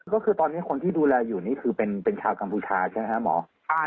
ก็คือตอนนี้คนที่ดูแลอยู่นี่คือเป็นชาวกัมพูชาใช่ไหมครับหมอ